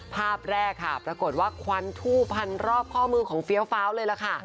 ภาพแรกค่ะปรากฏว่าควันทู่พันรอบข้อมือของเฟี้ยวฟ้าวเลยล่ะค่ะ